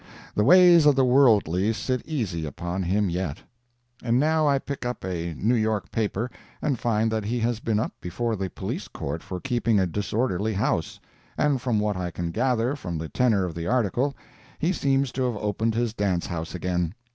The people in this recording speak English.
The ways of the worldly sit easy upon him yet. And now I pick up a New York paper, and find that he has been up before the Police court for keeping a disorderly house—and from what I can gather from the tenor of the article, he seems to have opened his dance house again.